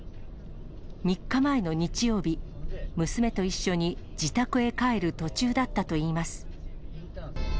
３日前の日曜日、娘と一緒に自宅へ帰る途中だったといいます。